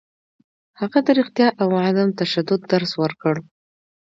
هغه د رښتیا او عدم تشدد درس ورکړ.